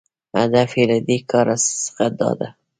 هدف یې له دې کاره څخه داده